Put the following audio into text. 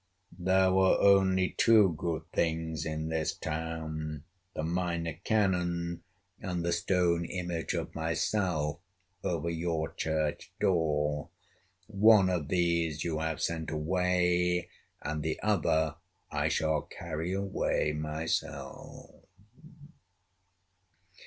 There were only two good things in this town: the Minor Canon and the stone image of myself over your church door. One of these you have sent away, and the other I shall carry away myself."